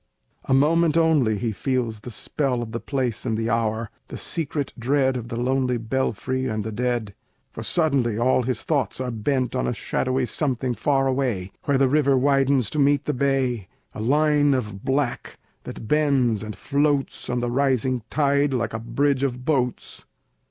A moment only he feels the spell Of the place and the hour, the secret dread Of the lonely belfry and the dead; For suddenly all his thoughts are bent On a shadowy something far away, Where the river widens to meet the bay, A line of black, that bends and floats On the rising tide, like a bridge of boats.